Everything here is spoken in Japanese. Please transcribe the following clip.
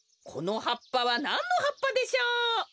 このはっぱはなんのはっぱでしょう？